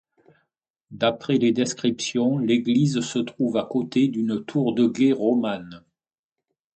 D'après les descriptions, l'église se trouve à côté d'une tour de guet romane.